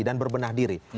dan berbenah diri